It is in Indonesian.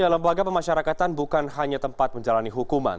lembaga pemasyarakatan bukan hanya tempat menjalani hukuman